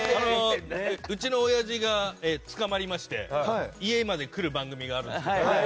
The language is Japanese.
うちの親父がつかまりまして家まで来る番組があったんですよ。